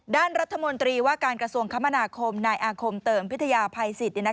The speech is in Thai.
ด้านรัฐมนตรีว่าการกระทรวงคมนาคมนายอาคมเติมพิทยาภัยสิทธิ์